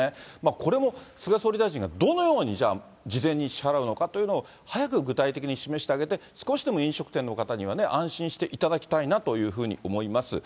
これも菅総理大臣がどのようにじゃあ、事前に支払うのかというのを、早く具体的に示してあげて、少しでも飲食店の方には、安心していただきたいなというふうに思います。